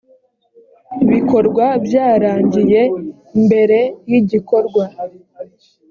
bikorwa byarangiye mbere y igikorwa